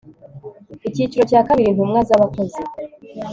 Icyiciro cya kabiri Intumwa z abakozi